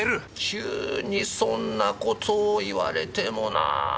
急にそんな事を言われてもな。